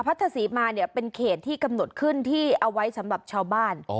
สีมาเนี่ยเป็นเขตที่กำหนดขึ้นที่เอาไว้สำหรับชาวบ้าน